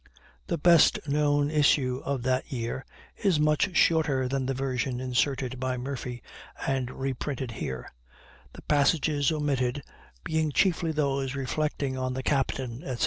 The best known issue of that year is much shorter than the version inserted by Murphy and reprinted here, the passages omitted being chiefly those reflecting on the captain, etc.